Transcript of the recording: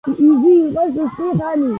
იგი იყო სუსტი ხანი.